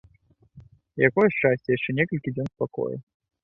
Якое шчасце яшчэ некалькі дзён спакою!